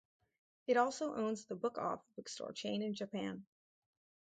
It also owns the Book Off bookstore chain in Japan.